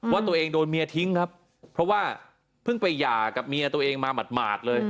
ว่าตัวเองโดนเมียทิ้งครับเพราะว่าเพิ่งไปหย่ากับเมียตัวเองมาหมาดเลย